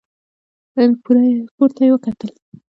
پورته يې وکتل.